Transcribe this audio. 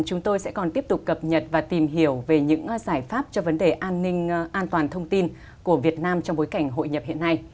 chúng tôi sẽ còn tiếp tục cập nhật và tìm hiểu về những giải pháp cho vấn đề an ninh an toàn thông tin của việt nam trong bối cảnh hội nhập hiện nay